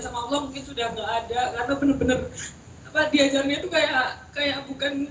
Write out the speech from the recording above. sama allah mungkin sudah nggak ada karena bener bener apa diajarnya tuh kayak kayak bukan